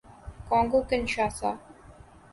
Congo - کنشاسا